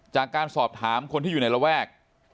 จากการสอบถามคนที่อยู่ในระแวก